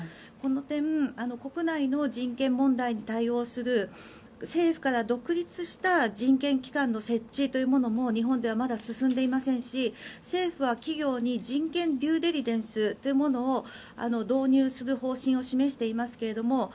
この点国内の人権問題に対応する政府から独立した人権機関の設置というものも日本ではまだ進んでいませんし政府は企業に人権デューデリジェンスというものを導入する方針を示していますけれど